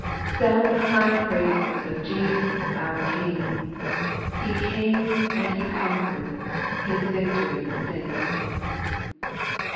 Sound the high praises of Jesus our King, He came and He conquered — His victory sing.